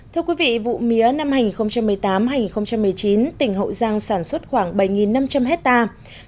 thưa quý vị vụ mía năm hai nghìn một mươi tám hai nghìn một mươi chín tỉnh hậu giang sản xuất khoảng bảy năm trăm linh hectare